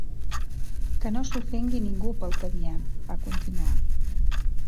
Que no s’ofengui ningú pel que diem, va continuar.